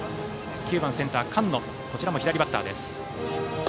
９番センター、菅野こちらも左バッターです。